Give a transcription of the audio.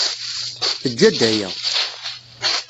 Tejja-d aya.